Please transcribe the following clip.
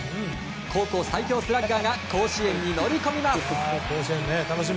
高校最強スラッガーが甲子園に乗り込みます。